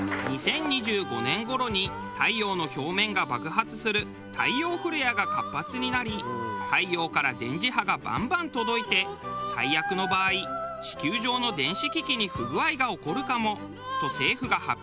２０２５年頃に太陽の表面が爆発する太陽フレアが活発になり太陽から電磁波がバンバン届いて最悪の場合地球上の電子機器に不具合が起こるかもと政府が発表していました。